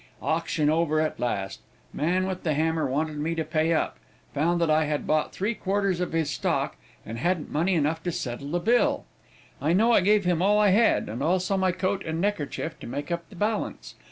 Auction over at last; man with the hammer wanted me to pay up found that I had bought three quarters of his stock, and hadn't money enough to settle the bill. I know I gave him all I had, and also my coat and neckerchief to make up the balance.